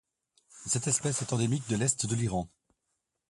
Cette espèce est endémique de l'Est de l'Iran.